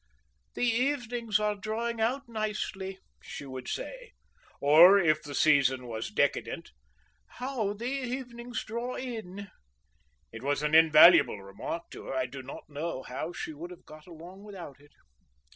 "The evenings are drawing out nicely," she would say, or if the season was decadent, "How the evenings draw in!" It was an invaluable remark to her; I do not know how she would have got along without it.